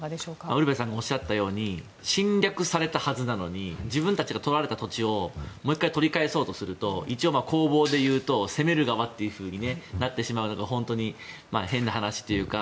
ウルヴェさんがおっしゃったように侵略されたはずなのに自分たちがとられた土地をもう１回取り返そうとすると一応、工房でいうと攻める側になってしまうのが本当に変な話というか。